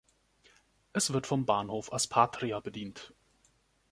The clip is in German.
Es wird vom Bahnhof Aspatria bedient.